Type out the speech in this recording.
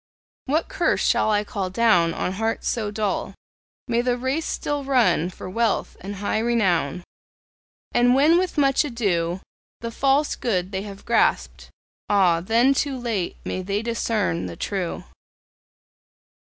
What curse shall I call down On hearts so dull? May they the race still run For wealth and high renown! And when with much ado The false good they have grasped ah, then too late! May they discern the true!